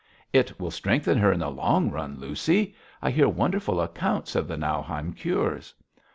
'It will strengthen her in the long run, Lucy. I hear wonderful accounts of the Nauheim cures.'